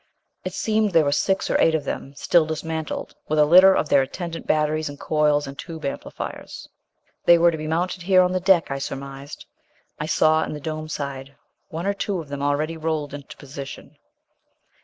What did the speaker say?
It seemed there were six or eight of them, still dismantled, with a litter of their attendant batteries and coils and tube amplifiers. They were to be mounted here on the deck, I surmised; I saw in the dome side one or two of them already rolled into position.